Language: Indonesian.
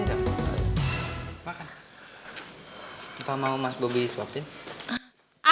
apa mau mas bobi sebabnya